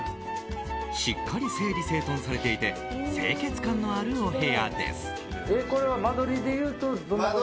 しっかり整理整頓されていて清潔感のあるお部屋です。